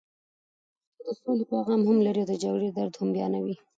پښتو د سولې پیغام هم لري او د جګړې درد هم بیانوي.